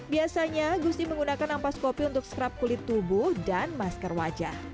biasanya gusti menggunakan ampas kopi untuk skrap kulit tubuh dan masker wajah